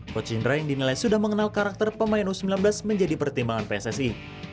coach indra yang dinilai sudah mengenal karakter pemain u sembilan belas menjadi pertimbangan pssi